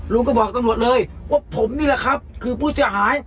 ลุงก็บอกตำรวจเลยว่าผมนี่แหละครับคือผู้เสียหาย